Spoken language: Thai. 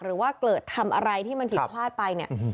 หรือว่าเกิดทำอะไรที่มันผิดพลาดไปเนี่ย